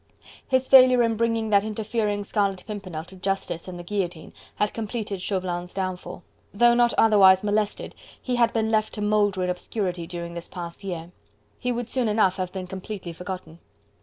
His failure in bringing that interfering Scarlet Pimpernel to justice and the guillotine had completed Chauvelin's downfall. Though not otherwise molested, he had been left to moulder in obscurity during this past year. He would soon enough have been completely forgotten.